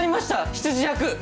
執事役！